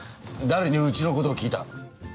誰にうちのことを聞いた？